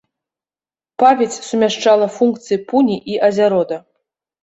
Павець сумяшчала функцыі пуні і азярода.